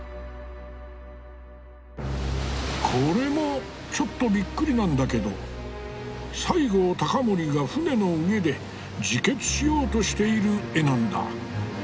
これもちょっとびっくりなんだけど西郷隆盛が船の上で自決しようとしている絵なんだ。